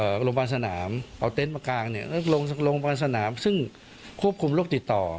โรงพยาบาลสนามเอาเต็นต์มากางเนี่ยแล้วลงโรงพยาบาลสนามซึ่งควบคุมโรคติดต่อ